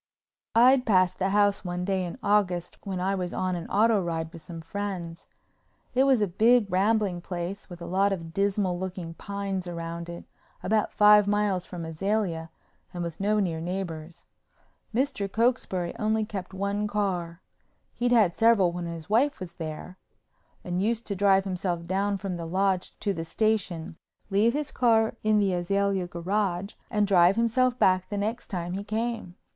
I'd passed the house one day in August when I was on an auto ride with some friends. It was a big, rambling place with a lot of dismal looking pines around it, about five miles from Azalea and with no near neighbors. Mr. Cokesbury only kept one car—he'd had several when his wife was there—and used to drive himself down from the Lodge to the station, leave his car in the Azalea garage, and drive himself back the next time he came.